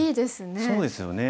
そうですよね。